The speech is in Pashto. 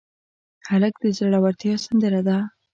هلک د زړورتیا سندره ده.